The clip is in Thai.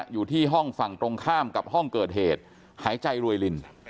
อยู่ที่ห้องฝั่งตรงข้ามกับห้องเกิดเหตุหายใจรวยลิน